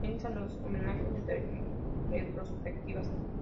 Comienzan los homenajes y retrospectivas.